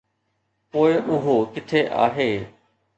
پوء اهو ڪٿي آهي؟